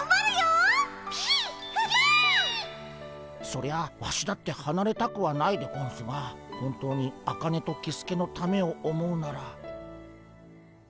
そりゃワシだってはなれたくはないでゴンスが本当にアカネとキスケのためを思うなら。